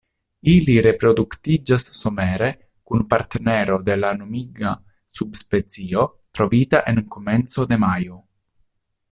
Ili reproduktiĝas somere, kun partnero de la nomiga subspecio trovita en komenco de majo.